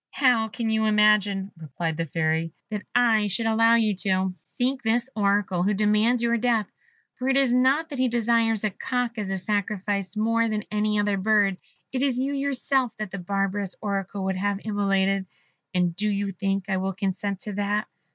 "How can you imagine," replied the Fairy, "that I should allow you to seek this Oracle who demands your death? For it is not that he desires a cock as a sacrifice more than any other bird it is you yourself that the barbarous Oracle would have immolated; and do you think I will consent to that?